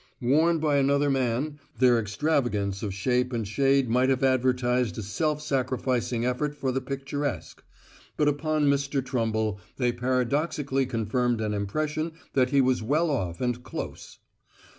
Worn by another man, their extravagance of shape and shade might have advertised a self sacrificing effort for the picturesque; but upon Mr. Trumble they paradoxically confirmed an impression that he was well off and close.